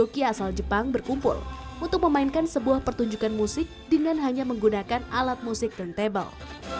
banyak tiga puluh disc jockey asal jepang berkumpul untuk memainkan sebuah pertunjukan musik dengan hanya menggunakan alat musik turntable